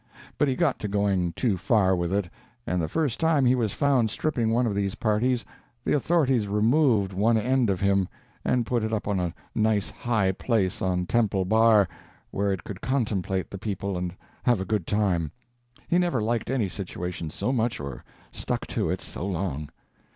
But he got to going too far with it; and the first time he was found stripping one of these parties, the authorities removed one end of him, and put it up on a nice high place on Temple Bar, where it could contemplate the people and have a good time. He never liked any situation so much or stuck to it so long.